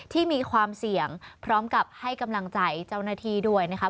ที่มีความเสี่ยงพร้อมกับให้กำลังใจเจ้าหน้าที่ด้วยนะครับ